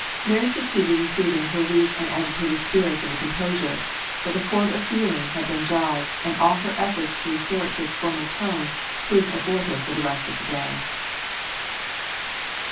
Mary succeeded in soothing her weak and agitated spirits into composure; but the chord of feeling had been jarred, and all her efforts to restore it to its former tone proved abortive for the rest of the day.